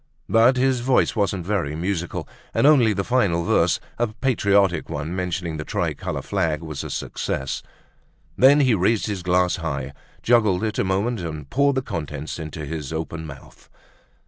But his voice wasn't very musical and only the final verse, a patriotic one mentioning the tricolor flag, was a success. Then he raised his glass high, juggled it a moment, and poured the contents into his open mouth.